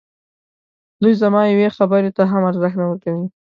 دوی زما یوې خبري ته هم ارزښت نه ورکوي.